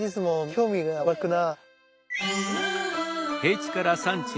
興味が湧くな。